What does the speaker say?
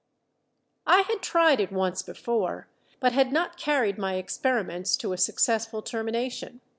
I had tried it once before, but had not carried my experiments to a successful termination.